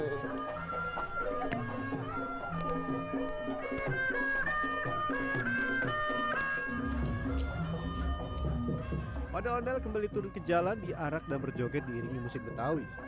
ondel ondel kembali turun ke jalan diarak dan berjoget diiringi musik betawi